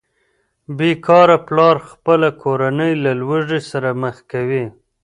بې کاره پلار خپله کورنۍ له لوږې سره مخ کوي